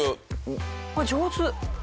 あっ上手。